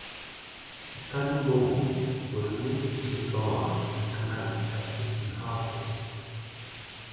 He studied law, was admitted to the bar, and commenced practice in Hartford.